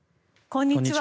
こんにちは。